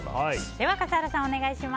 では笠原さん、お願いします。